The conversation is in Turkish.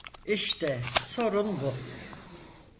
İşte sorun bu.